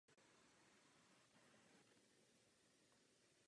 Věříme, že prevence znamená i prevenci života?